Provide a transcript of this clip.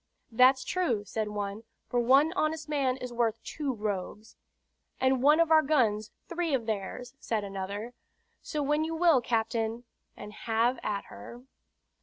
"That's true," said one, "for one honest man is worth two rogues." "And one of our guns, three of theirs," said another. "So when you will, captain, and have at her."